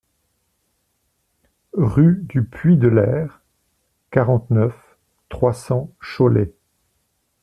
Rue du Puits de l'Aire, quarante-neuf, trois cents Cholet